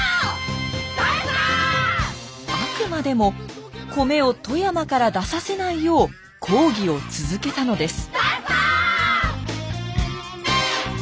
あくまでも米を富山から出させないよう抗議を続けたのです。